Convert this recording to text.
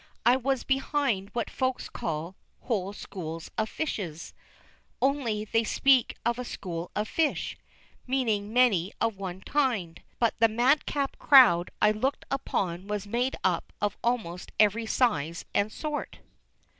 I was behind what Folks call "whole schools of fishes," only they speak of "a school of fish," meaning many of one kind, but the madcap crowd I looked upon was made up of almost every size and sort.